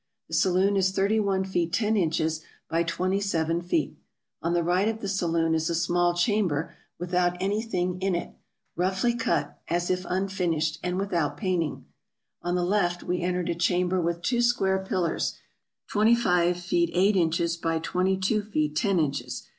The saloon is thirty one feet ten inches by twenty seven feet. On the right of the saloon is a small chamber without anything in it, roughly cut, as if unfinished, and without painting; on the left we entered a chamber with two square pillars, twenty five feet eight inches by twenty two feet ten inches.